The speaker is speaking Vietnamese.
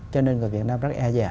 cho nên người việt nam rất e dè